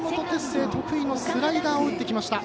星得意のスライダーを打ってきました。